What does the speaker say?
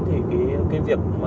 thì cái việc